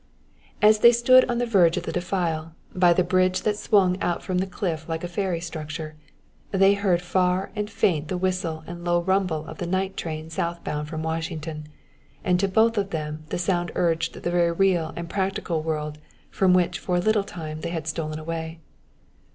As they stood on the verge of the defile, by the bridge that swung out from the cliff like a fairy structure, they heard far and faint the whistle and low rumble of the night train south bound from Washington; and to both of them the sound urged the very real and practical world from which for a little time they had stolen away.